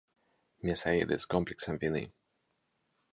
Мясаеды з комплексам віны.